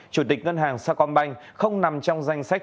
chủ tịch ngân hàng sa quang banh không nằm trong danh sách